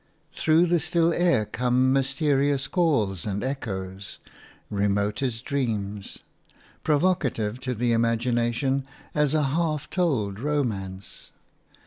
Through the still air come mysterious calls and echoes – remote as dreams, provocative to the imagination as a half told romance.